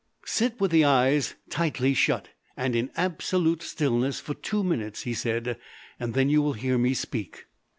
"Sit with the eyes tightly shut and in absolute stillness for two minutes," he said. "Then you will hear me speak."